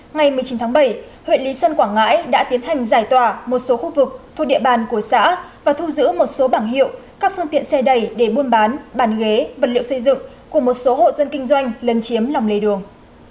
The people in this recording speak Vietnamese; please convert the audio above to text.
ngày một mươi chín tháng bảy huyện lý sơn quảng ngãi đã tiến hành giải tỏa một số khu vực thuộc địa bàn của xã và thu giữ một số bảng hiệu các phương tiện xe đẩy để buôn bán bàn ghế vật liệu xây dựng của một số hộ dân kinh doanh lân chiếm lòng lề đường